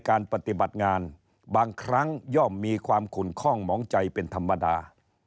การปฏิบัติงานบางครั้งย่อมมีความขุนคล่องหมองใจเป็นธรรมดา